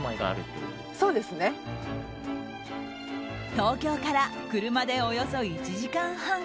東京から車でおよそ１時間半。